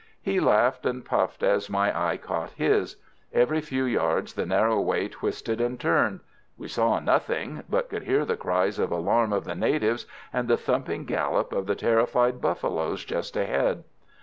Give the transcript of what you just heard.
He laughed and puffed as my eye caught his. Every few yards the narrow way twisted and turned. We saw nothing, but could hear the cries of alarm of the natives and the thumping gallop of the terrified buffaloes just ahead.